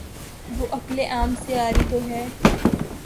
وہ عقل عام سے عاری تو ہے۔